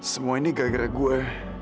semua ini gara gara gue